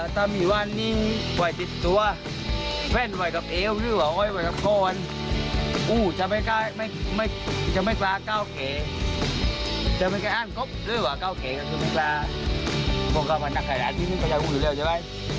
ด้วยว่าเก่าแก่กับทุกคนค่ะพวกเขามานักแข่งร้านที่มันก็ยังอุ่นเร็วใช่ไหม